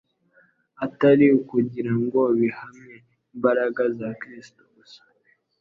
atari ukugira ngo bihamye imbaraga za Kristo gusa,